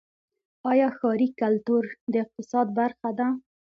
آیا ښاري کلتور د اقتصاد برخه ده؟